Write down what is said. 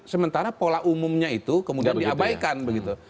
sementara pola umumnya itu kemudian diabaikan begitu